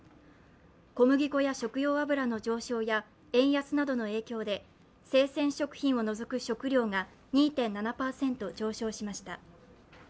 小麦粉や食用油の上昇や円安などの影響で生鮮食品を除く食料が２．７％上昇しました。